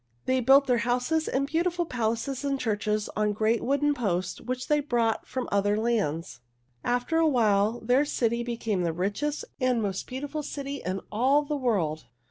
They built their houses and beautiful palaces and churches on great wooden posts which they brought from other lands. After a while their city became the richest and most beautiful city in all the world.